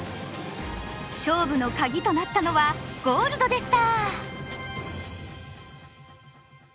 勝負のカギとなったのはゴールドでした！